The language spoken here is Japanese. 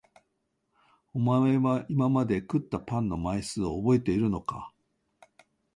お前は今まで食ったパンの枚数を覚えているのか？